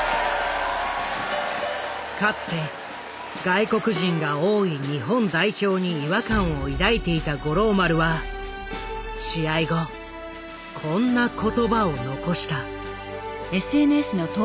かつて外国人が多い日本代表に違和感を抱いていた五郎丸は試合後こんな言葉を残した。